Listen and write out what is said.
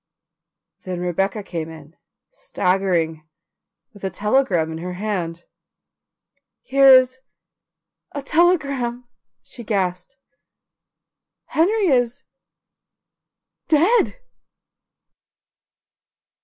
Then Rebecca came in, staggering, with a telegram in her hand. "Here is a telegram," she gasped. "Henry is dead."